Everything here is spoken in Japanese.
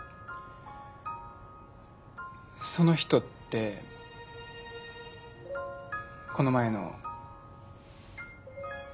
その人ってこの前の。